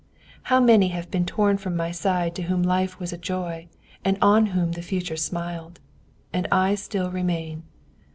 How many have been torn from my side to whom life was a joy and on whom the future smiled! And I still remain!